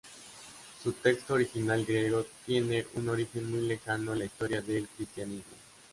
Su texto original griego tiene un origen muy lejano en la historia del cristianismo.